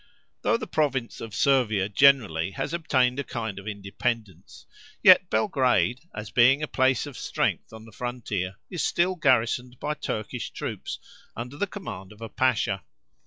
Though the province of Servia generally has obtained a kind of independence, yet Belgrade, as being a place of strength on the frontier, is still garrisoned by Turkish troops under the command of a Pasha.